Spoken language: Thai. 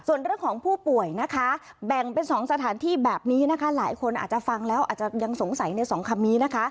ส่วนเรื่องของผู้ป่วยนะคะแบ่งเป็น๒สถานที่แบบนี้นะคะหลายคนอาจจะฟังแล้วอาจจะยังสงสัยในสองคำนี้นะคะ